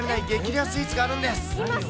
レアスイーツがあるんです。